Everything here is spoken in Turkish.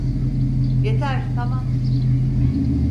Yeter, tamam.